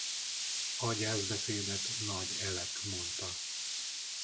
A gyászbeszédet Nagy Elek mondta.